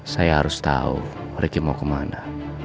saya harus tahu ricky mau ke mana